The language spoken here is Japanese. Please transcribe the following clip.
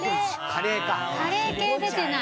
カレー！カレーか。